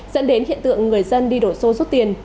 dẫn đến hiện tượng người dân đi đổ xô rút tiền